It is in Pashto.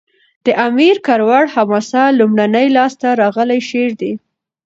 د امیر کروړ حماسه؛ لومړنی لاس ته راغلی شعر دﺉ.